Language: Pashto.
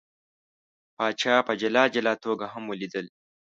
پاچا په جلا جلا توګه هم ولیدل.